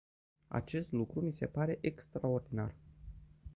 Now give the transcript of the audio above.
Acest lucru mi se pare extraordinar.